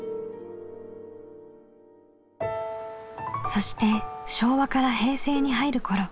そして昭和から平成に入る頃。